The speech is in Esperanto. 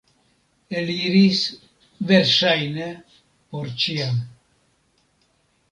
Eliris, verŝajne, por ĉiam.